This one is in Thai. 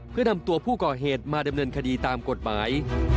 เพื่อนำตัวผู้ก่อเหตุมาดำเนินคดีตามกฎหมาย